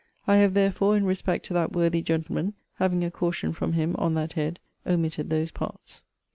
I have therefore, in respect to that worthy gentleman, (having a caution from him on that head,) omitted those parts.